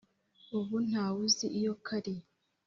ubuntawuzi iyo kari